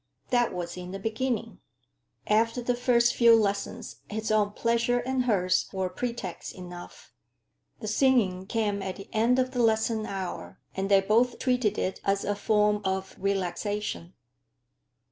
That was in the beginning. After the first few lessons his own pleasure and hers were pretext enough. The singing came at the end of the lesson hour, and they both treated it as a form of relaxation.